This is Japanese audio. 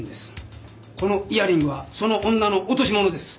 このイヤリングはその女の落とし物です。